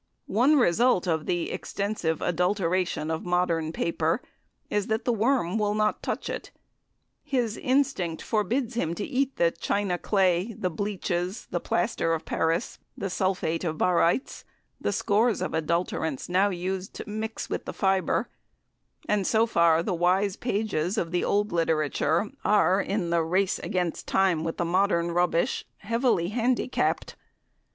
One result of the extensive adulteration of modern paper is that the worm will not touch it. His instinct forbids him to eat the china clay, the bleaches, the plaster of Paris, the sulphate of barytes, the scores of adulterants now used to mix with the fibre, and, so far, the wise pages of the old literature are, in the race against Time with the modern rubbish, heavily handicapped.